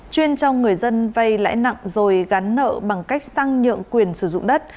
chuyên trong người dân vây lãi nặng rồi gắn nợ bằng cách sang nhượng quyền sử dụng đất